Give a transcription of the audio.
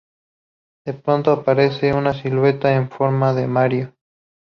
De pronto, aparece una silueta en forma de Mario.